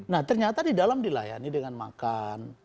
nah ternyata di dalam dilayani dengan makan